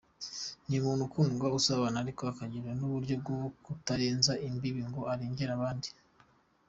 Ni umuntu ukundwa, usabana ariko akagira n’uburyo bwo kutarenza imbibi ngo arengere abandi.